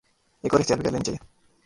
ایک اور احتیاط بھی کر لینی چاہیے۔